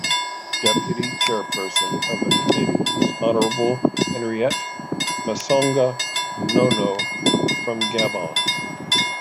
Deputy Chairperson of the Committee is Honorable Henriette Massounga Nono from Gabon.